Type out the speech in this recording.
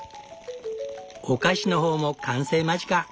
お菓子の方も完成間近。